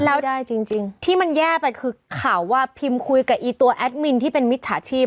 แล้วได้จริงที่มันแย่ไปคือข่าวว่าพิมพ์คุยกับอีตัวแอดมินที่เป็นมิจฉาชีพ